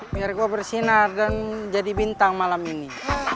biar gue bersinar dan jadi bintang malam ini